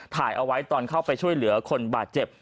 ถ่ายเอาไว้ตอนเข้าไปช่วยเหลือคนบาดเจ็บ